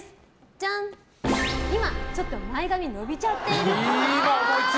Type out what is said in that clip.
今、ちょっと前髪伸びちゃっているっぽい。